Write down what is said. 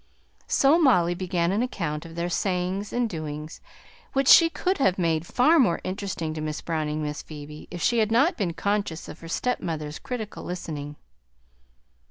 So Molly began an account of their sayings and doings, which she could have made far more interesting to Miss Browning and Miss Phoebe if she had not been conscious of her stepmother's critical listening.